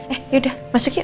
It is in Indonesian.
eh ya udah masuk yuk